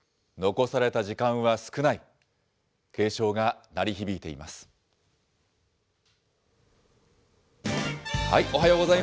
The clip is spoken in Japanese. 残された時間は少ない。